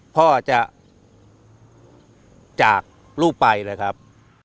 พ่อจะจากลูกไปเลยครับ